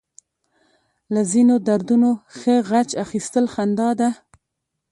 له ځينو دردونو ښه غچ اخيستل خندا ده.